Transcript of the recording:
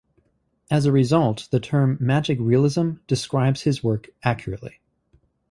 As a result, the term "Magic Realism" describes his work accurately.